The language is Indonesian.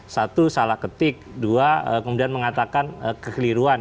satu salah ketik dua kemudian mengatakan kekeliruan